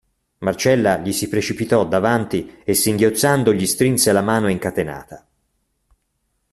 Marcella gli si precipitò davanti e singhiozzando gli strinse la mano incatenata.